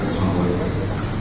jadi kita sudah berjuang